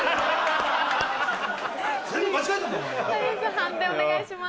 判定お願いします。